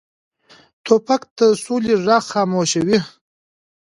توپک د سولې غږ خاموشوي.